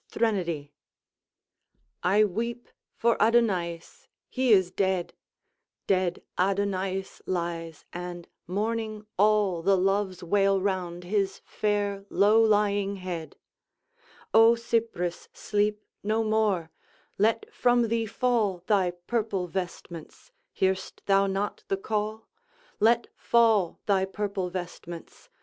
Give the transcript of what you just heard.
THRENODY I weep for Adonaïs he is dead! Dead Adonaïs lies, and mourning all, The Loves wail round his fair, low lying head. O Cypris, sleep no more! Let from thee fall Thy purple vestments hear'st thou not the call? Let fall thy purple vestments!